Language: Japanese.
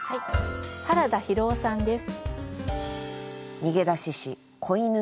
原田浩生さんです。